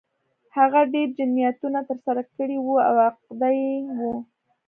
هغه ډېر جنایتونه ترسره کړي وو او عقده اي و